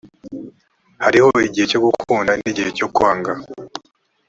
hariho igihe cyo gukunda n igihe cyo kwanga